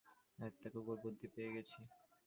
একটা কুকুর, বুদ্ধি পেয়েছি।